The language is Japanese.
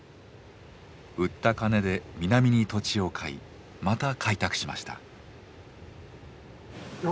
売った金で南に土地を買いまた開拓しました。